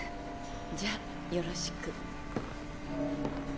じゃあよろしく。